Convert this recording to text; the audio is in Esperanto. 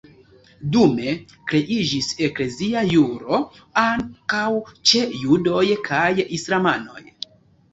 Dume kreiĝis eklezia juro ankaŭ ĉe judoj kaj islamanoj.